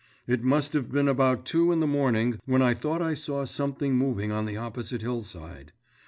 It must have been about two in the morning, when I thought I saw something moving on the opposite hillside.